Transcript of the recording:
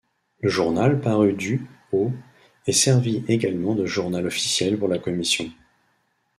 Le journal parut du au et servit également de journal officiel pour la Commission.